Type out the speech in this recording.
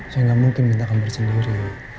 saya gamungkin minta kamar sendiri